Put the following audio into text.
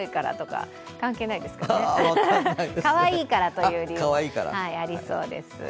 かわいいからという理由ありそうです。